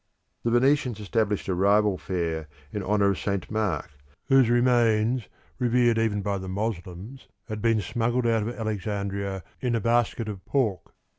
The Venetians established a rival fair in honour of St. Mark, whose remains, revered even by the Moslems, had been smuggled out of Alexandria in a basket of pork.